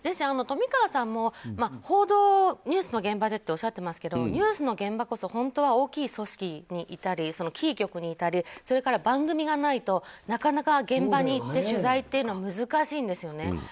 富川さんもニュースの現場っておっしゃっていますけどニュースの現場こそ本当は大きい組織にいたりキー局にいたり、番組がないとなかなか現場に行って取材というのは難しいんですよね。